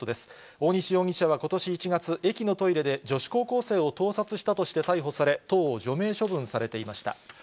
大西容疑者はことし１月、駅のトイレで女子高校生を盗撮したとして逮捕され、党を除名処分されていました。